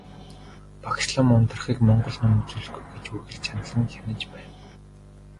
Багш лам Ундрахыг монгол ном үзүүлэхгүй гэж үргэлж чандлан хянаж байв.